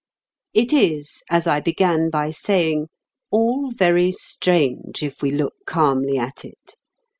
It is, as I began by saying, all very strange if we look calmly at it.